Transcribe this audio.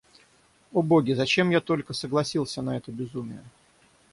О боги, зачем я только согласился на это безумие!